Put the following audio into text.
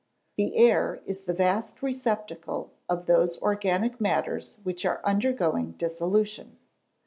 The air is the vast receptacle of those organic matters which are undergoing dissolution.